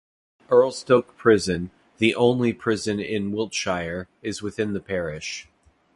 Erlestoke Prison, the only prison in Wiltshire, is within the parish.